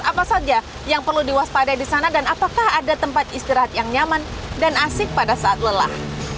apa saja yang perlu diwaspadai di sana dan apakah ada tempat istirahat yang nyaman dan asik pada saat lelah